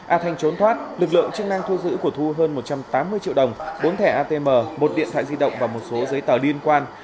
a thanh trốn thoát lực lượng chức năng thu giữ của thu hơn một trăm tám mươi triệu đồng bốn thẻ atm một điện thoại di động và một số giấy tờ liên quan